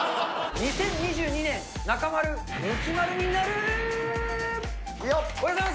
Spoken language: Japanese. ２０２２年中丸、ムキ丸になる。